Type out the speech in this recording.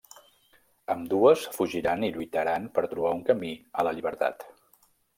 Ambdues fugiran i lluitaran per trobar un camí a la llibertat.